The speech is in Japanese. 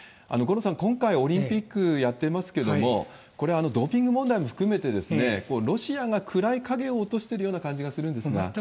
五郎さん、今回、オリンピックやってますけども、これ、ドーピング問題も含めて、ロシアが暗い影を落としてるような感じがするんですが。